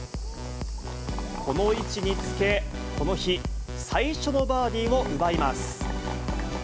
この位置につけ、この日最初のバーディーを奪います。